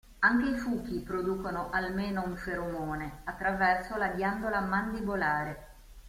Anche i fuchi producono almeno un feromone, attraverso la ghiandola mandibolare.